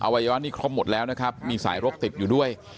อวัยวะนี้ครบหมดแล้วมีสายรกติดอยู่ด้วย